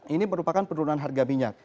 ini merupakan penurunan harga minyak